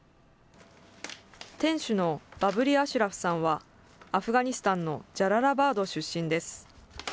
店主のバブリ・アシュラフさんは、アフガニスタンのジャララバード出身です。